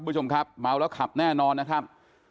คุณผู้ชมครับเมาแล้วขับแน่นอนนะครับ